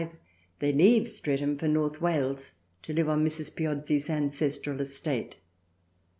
They leave Streatham for North Wales to live on Mrs. Piozzi's ancestral estate.